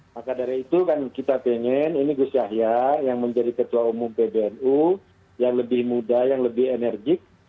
maka dari itu kan kita ingin ini gus yahya yang menjadi ketua umum pbnu yang lebih muda yang lebih enerjik